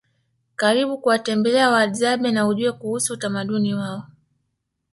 Karibu kuwatemelea Wahadzabe na ujue kuusu utamaduni wao